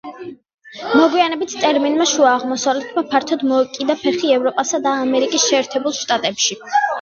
მოგვიანებით ტერმინმა შუა აღმოსავლეთმა ფართოდ მოიკიდა ფეხი ევროპასა და ამერიკის შეერთებულ შტატებში.